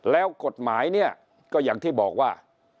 แล้วกฎหมายเนี่ยก็อย่างที่บอกว่า